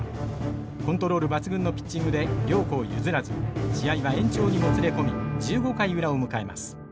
コントロール抜群のピッチングで両校譲らず試合は延長にもつれ込み１５回裏を迎えます。